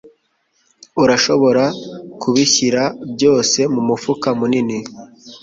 Urashobora kubishyira byose mumufuka munini?